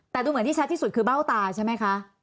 แต่ดูเหมือนที่ชัดที่สุดคือเบ้าตาใช่ไหมคะ